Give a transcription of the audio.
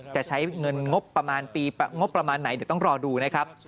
จะใช้เงินงบประมาณปีงบประมาณไหนเดี๋ยวต้องรอดูนะครับ